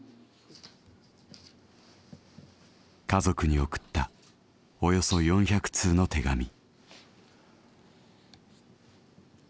家族に送ったおよそ４００通の手紙。